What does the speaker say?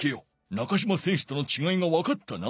中島選手とのちがいがわかったな！